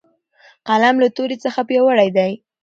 قلم له تورې څخه پیاوړی دی.